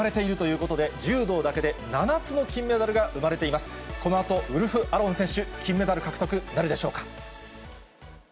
このあと、ウルフ・アローン選手、金メダル獲得なるでしょうか。